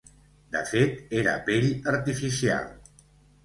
De fet, era pell artificial.